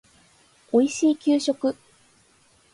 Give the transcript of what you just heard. おいしい給食